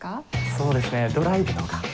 そうですねドライブとか。